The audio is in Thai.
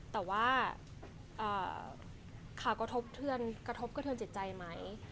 แต่ว่าขากระทบเธอเธอใจมั้ย